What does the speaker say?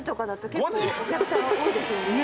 結構お客さん多いですよね。